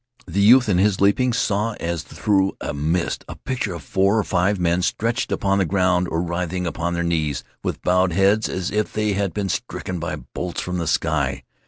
The youth, in his leapings, saw, as through a mist, a picture of four or five men stretched upon the ground or writhing upon their knees with bowed heads as if they had been stricken by bolts from the sky.